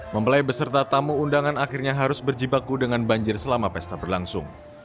mempelai beserta tamu undangan akhirnya harus berjibaku dengan banjir selama pesta berlangsung